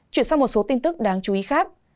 chuyển sang một số tin tức đáng chú ý khác